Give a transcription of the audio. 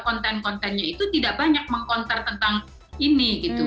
konten kontennya itu tidak banyak meng counter tentang ini gitu